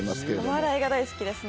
お笑いが大好きです。